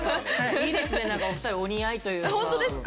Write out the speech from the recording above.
いいですねなんかお二人お似合いというか。